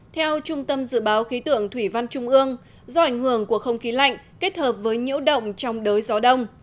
theo trung tâm dự báo khí tượng thủy văn trung ương do ảnh hưởng của không khí lạnh kết hợp với nhiễu động trong đới gió đông